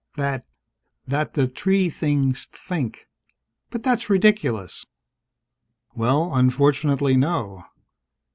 "That that the tree things think!" "But that's ridiculous!" "Well, unfortunately, no.